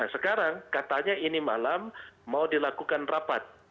sekarang katanya ini malam mau dilakukan rapat